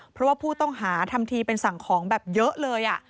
เพราะว่าผู้ต้องหาทำทีเป็นสั่งของแบบเยอะเลย